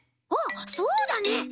あっそうだね。